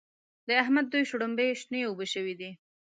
د احمد دوی شلومبې شنې اوبه شوې دي.